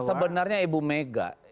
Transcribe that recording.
sebenarnya ibu mega